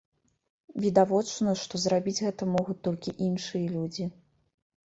Відавочна, што зрабіць гэта могуць толькі іншыя людзі.